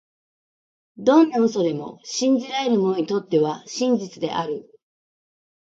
どんな嘘でも、信じられる者にとっては真実である。